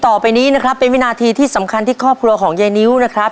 ต่อไปนี้นะครับเป็นวินาทีที่สำคัญที่ครอบครัวของยายนิ้วนะครับ